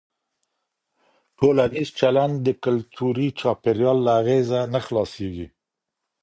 ټولنیز چلند د کلتوري چاپېریال له اغېزه نه خلاصېږي.